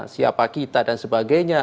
siapa kita dan sebagainya